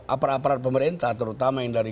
aparat aparat pemerintah terutama yang dari